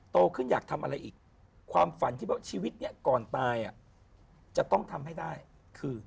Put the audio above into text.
โตขึ้นอยากทำอะไรอีกความฝันที่ว่าชีวิตนี้ก่อนตายจะต้องทำให้ได้คือ